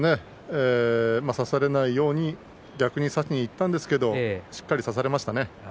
差されないように逆に先にいったんですけれどしっかり差されましたね。